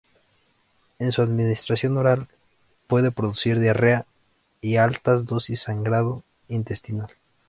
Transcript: En su administración oral, puede producir diarrea y, a altas dosis, sangrado intestinal.